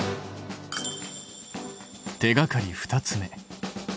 手がかり２つ目。